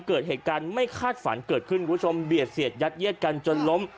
เกิดเหตุการณ์ไม่คาดฝันเกิดขึ้นคุณผู้ชมเบียดเสียดยัดเยียดกันจนล้ม